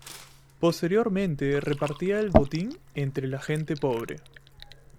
Posteriormente, repartía el botín entre la gente pobre.